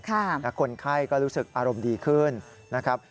แล้วคนไข้ก็รู้สึกอารมณ์ดีขึ้นนะครับ